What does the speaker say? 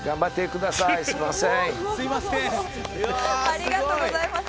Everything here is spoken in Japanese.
ありがとうございます。